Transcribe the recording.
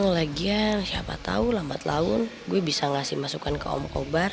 lo lagian siapa tahu lambat laun gue bisa ngasih masukan ke om kobar